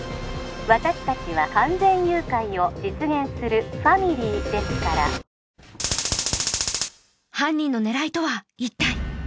☎私達は完全誘拐を実現する☎ファミリーですから犯人の狙いとは一体？